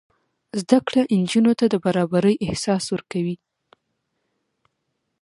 زده کړه نجونو ته د برابرۍ احساس ورکوي.